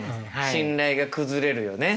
信頼が崩れるよね。